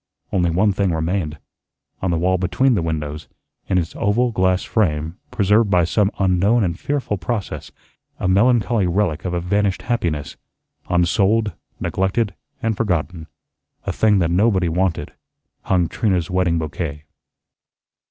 Only one thing remained. On the wall between the windows, in its oval glass frame, preserved by some unknown and fearful process, a melancholy relic of a vanished happiness, unsold, neglected, and forgotten, a thing that nobody wanted, hung Trina's wedding bouquet.